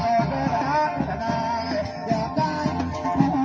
สวัสดีครับทุกคน